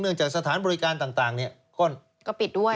จากสถานบริการต่างก็ปิดด้วย